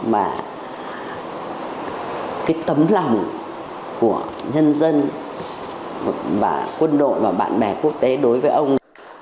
mà cái tấm lòng của nhân dân và quân đội và bạn bè quốc tế đối với ông